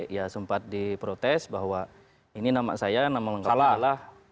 ya sempat diprotes bahwa ini nama saya nama lengkapnya adalah